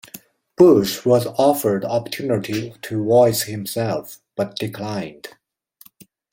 Bush was offered the opportunity to voice himself, but declined.